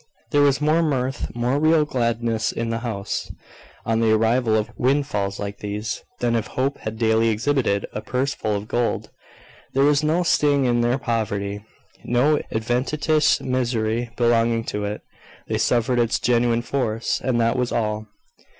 There was more mirth, more real gladness in the house, on the arrival of windfalls like these, than if Hope had daily exhibited a purse full of gold. There was no sting in their poverty; no adventitious misery belonging to it. They suffered its genuine force, and that was all.